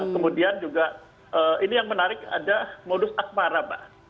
kemudian juga ini yang menarik ada modus akmara mbak